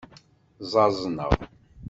Ẓẓaẓneɣ.